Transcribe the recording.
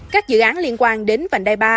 các dự án liên quan đến vành đai ba